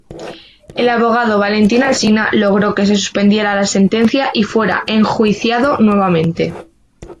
El abogado Valentín Alsina logró que se suspendiera la sentencia y fuera enjuiciado nuevamente.